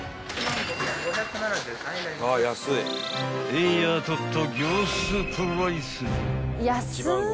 ［えんやとっと］